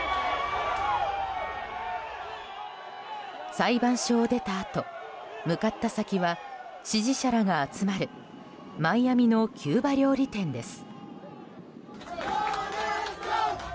裁判所を出たあと向かった先は支持者らが集まるマイアミのキューバ料理店です。